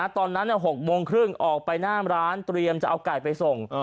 ตอนนั้น๖โมงครึ่งออกไปหน้าร้านเตรียมจะเอาไก่ไปส่ง